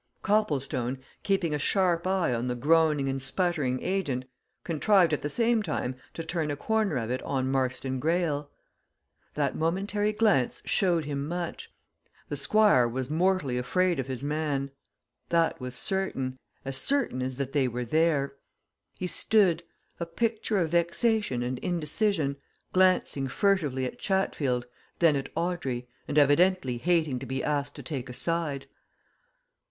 Copplestone, keeping a sharp eye on the groaning and sputtering agent, contrived at the same time to turn a corner of it on Marston Greyle. That momentary glance showed him much. The Squire was mortally afraid of his man. That was certain as certain as that they were there. He stood, a picture of vexation and indecision, glancing furtively at Chatfield, then at Audrey, and evidently hating to be asked to take a side.